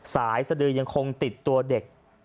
สายสดือยังคงติดตัวเด็ก